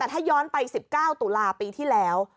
ถ้าย้อนไป๑๙ตุลาปีที่แล้ว